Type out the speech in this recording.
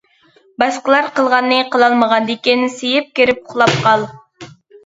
باشقىلار قىلغاننى قىلالمىغاندىكىن، سىيىپ كىرىپ ئۇخلاپ قال.